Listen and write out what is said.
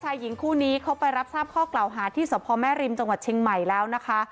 หญิงคู่นี้เขาไปรับทราบข้อกล่าวหาที่สพแม่ริมจังหวัดเชียงใหม่แล้วนะคะ